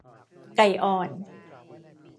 ไก่อ่อน